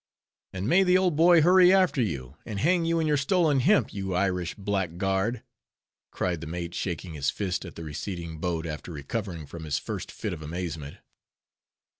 "And may the Old Boy hurry after you, and hang you in your stolen hemp, you Irish blackguard!" cried the mate, shaking his fist at the receding boat, after recovering from his first fit of amazement.